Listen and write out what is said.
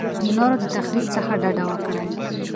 د نورو د تخریب څخه ډډه وکړئ.